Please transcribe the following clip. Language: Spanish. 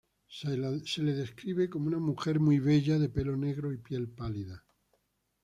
Se la describe como una mujer muy bella de pelo negro y piel pálida.